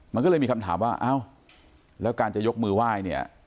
มันก็เลยมีคำถามว่าเอ้าแล้วการจะยกมือไหว้เนี่ย